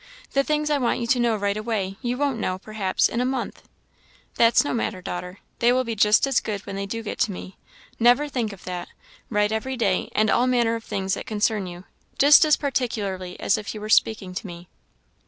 The things I want you to know right away, you won't know, perhaps, in a month." "That's no matter, daughter; they will be just as good when they do get to me. Never think of that; write every day, and all manner of things that concern you just as particularly as if you were speaking to me."